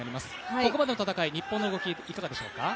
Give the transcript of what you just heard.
ここまでの戦い、日本の動き、いかがでしょうか？